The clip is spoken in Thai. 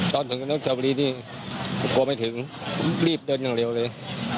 ตอนถึงเศรษฐภิริบาลรีบเดินขึ้นเร็วเลย